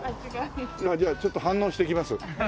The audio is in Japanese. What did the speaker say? じゃあちょっと反応してきます。